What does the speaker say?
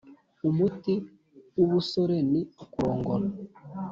Umuti w’ubusore ni ukurongora.